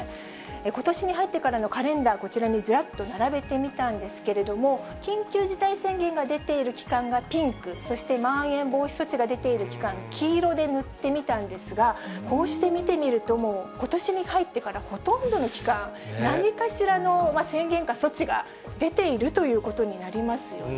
ことしに入ってからのカレンダー、こちらにずらっと並べてみたんですけれども、緊急事態宣言が出ている期間がピンク、そしてまん延防止措置が出ている期間、黄色で塗ってみたんですが、こうして見てみると、もう今年に入ってから、ほとんどの期間、何かしらの宣言か措置が出ているということになりますよね。